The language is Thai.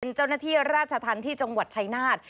เป็นเจ้าหน้าที่ราชทันที่จังหวัดชัยนาธิ์